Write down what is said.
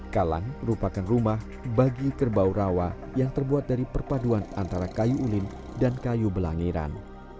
kalang merupakan rumah bagi kerbau rawa yang terbuat dari perpaduan antara kayu ulin dan kayu belangiran